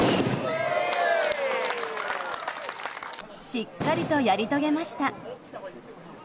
しっかりとやり遂げました。